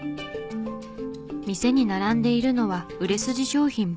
店に並んでいるのは売れ筋商品ばかり。